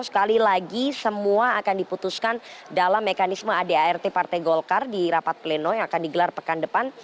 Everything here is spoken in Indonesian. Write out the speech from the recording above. sekali lagi semua akan diputuskan dalam mekanisme adart partai golkar di rapat pleno yang akan digelar pekan depan